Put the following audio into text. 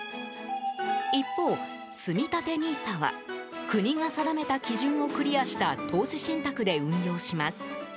一方、つみたてＮＩＳＡは国が定めた基準をクリアした投資信託で運用します。